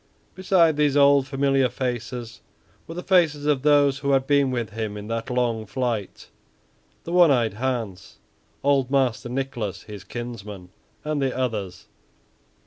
Beside these old familiar faces were the faces of those who had been with him in that long flight; the One eyed Hans, old Master Nicholas his kinsman, and the others.